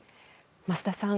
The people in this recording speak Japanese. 増田さん